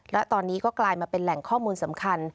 และตอนนี้ก็กลายมาเป็นแหล่งข้อมูลสำคัญ